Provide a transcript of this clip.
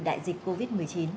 đại dịch covid một mươi chín